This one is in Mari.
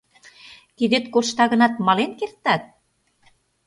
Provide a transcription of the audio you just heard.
— Кидет коршта гынат, мален кертат?